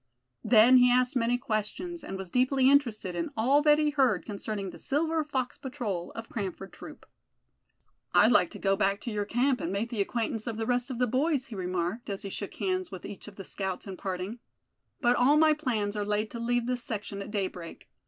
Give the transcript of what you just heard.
Then he asked many questions, and was deeply interested in all that he heard concerning the Silver Fox Patrol of Cranford Troop. "I'd like to go back to your camp, and make the acquaintance of the rest of the boys," he remarked, as he shook hands with each of the scouts in parting; "but all my plans are laid to leave this section at daybreak.